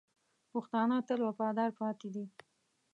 پښتانه تل وفادار پاتې دي.